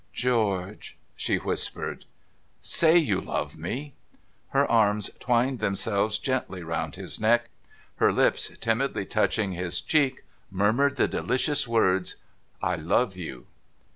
' George !' she whispered. ' Say you love me !' Her arms twined themselves gently round his neck. Her lips, timidly touching his cheek, murmured the delicious words —' I love you